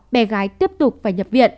bé gái tiếp tục phải nhập viện